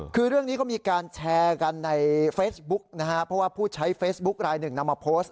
คือเรื่องนี้ก็มีการแชร์กันในเฟซบุ๊กนะฮะเพราะว่าผู้ใช้เฟซบุ๊คลายหนึ่งนำมาโพสต์